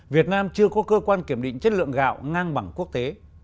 việt nam chưa có cơ quan kiểm định chất lượng gạo ngang bằng quốc tế